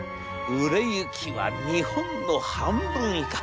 売れ行きは日本の半分以下。